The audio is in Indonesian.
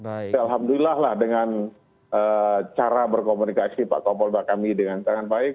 alhamdulillah lah dengan cara berkomunikasi pak kompol pak kami dengan sangat baik